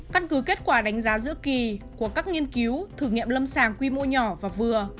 căn cứ kết quả đánh giá giữa kỳ của các nghiên cứu thử nghiệm lâm sàng quy mô nhỏ và vừa